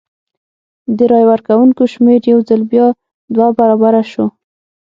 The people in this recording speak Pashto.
د رای ورکوونکو شمېر یو ځل بیا دوه برابره شو.